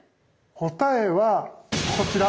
答えはこちら。